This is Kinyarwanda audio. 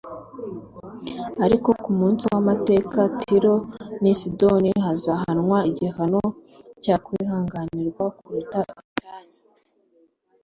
Ariko ku munsi w'amateka, Tiro n'i Sidoni hazahanwa igihano cyakwihanganirwa kuruta icyanyu.